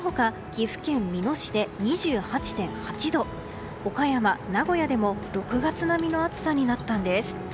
岐阜県美濃市で２８．８度岡山、名古屋でも６月並みの暑さになったんです。